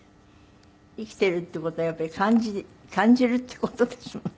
生きているっていう事はやっぱり感じるっていう事ですもんね。